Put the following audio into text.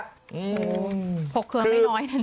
หกเคลือไม่น้อยนะเนี่ย